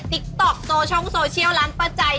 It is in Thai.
ในติ๊กต๊อกโซช่องโซเชียลร้านประจัย